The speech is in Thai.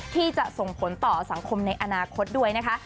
ที่จะส่งผลต่อสังคมในอนาคตด้วยนะคะ